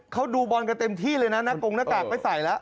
เขาดูบอลกันเต็มที่เลยนะหน้ากงหน้ากากไม่ใส่แล้ว